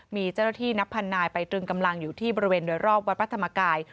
มีเจ้าหน้าที่นับพันนายไปตรึงกำลังอยู่ที่บริเวณโดยรอบวัดพระธรรมกาย